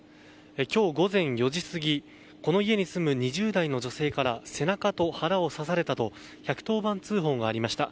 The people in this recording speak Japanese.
今日午前４時過ぎ、この家に住む２０代の女性から背中と腹を刺されたと１１０番通報がありました。